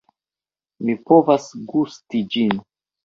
Mi povas gusti ĝin.